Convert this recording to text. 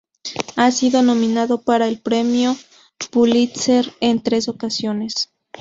Ha sido nominado para el Premio Pulitzer en tres ocasiones.